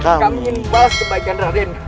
kami ingin membalas kebaikan raden